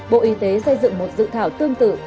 bộ y tế xây dựng một dự thảo tương tự